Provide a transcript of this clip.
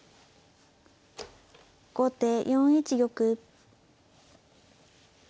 後手４一玉。